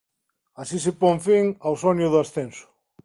Así se pon fin ao soño do ascenso.